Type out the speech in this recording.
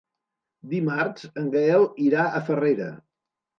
Dimarts en Gaël irà a Farrera.